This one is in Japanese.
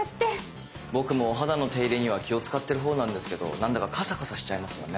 僕もお肌の手入れには気を使ってるほうなんですけど何だかカサカサしちゃいますよね。